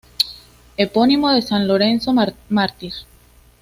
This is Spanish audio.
Epónimo de San Lorenzo Mártir.